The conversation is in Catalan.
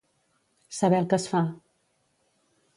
Saber el que es fa.